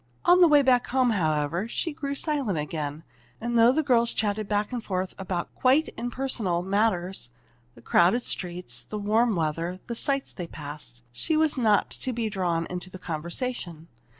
On the way back home, however, she grew silent again, and though the girls chatted back and forth about quite impersonal matters, the crowded streets, the warm weather, the sights they passed, she was not to be drawn into the conversation.